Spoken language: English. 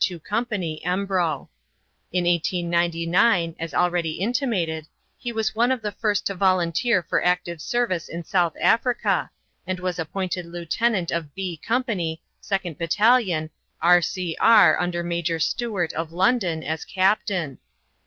2 Company, Embro. In 1899, as already intimated, he was one of the first to volunteer for active service in South Africa, and was appointed lieutenant of "B" Company, 2nd Batt., R. C. R., under Major Stuart, of London, as captain.